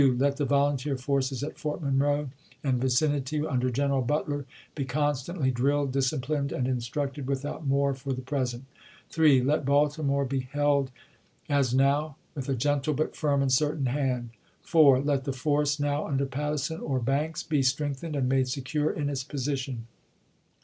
Let the volunteer forces at Fort Monroe and vicin ity, under General Butler, be constantly drOled, disci plined, and instructed without more for the present. 3. Let Baltimore be held as now, with a gentle but firm and certain hand. 4. Let the force now under Patterson or Banks be strengthened and made secure in its position.